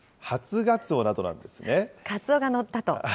カツオがのったと。